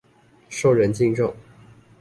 受人敬重